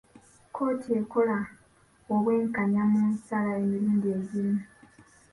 Kkooti ekola obwenkanya mu nsala emirundi egimu.